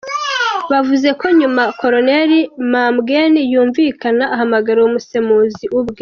Bavuze ko nyuma Koloneli Mambweni yumvikana ahamagara uwo musemuzi ubwe.